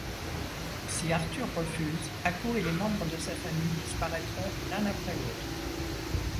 Si Arthur refuse, Ako et les membres de sa famille disparaîtront l'un après l'autre.